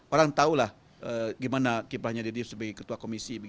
orang tahulah gimana kiprahnya dedy yusuf sebagai ketua komisi